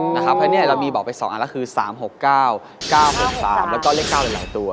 เพราะฉะนั้นเรามีบอกไป๒อันแล้วคือ๓๖๙๙๖๓แล้วก็เลข๙หลายตัว